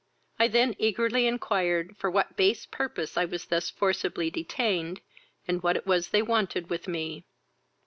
I then eagerly inquired for what base purpose I was thus forcibly detained, and what it was they wanted with me.